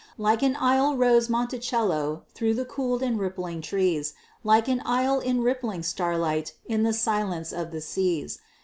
Like an isle rose Monticello through the cooled and rippling trees, Like an isle in rippling starlight in the silence of the seas.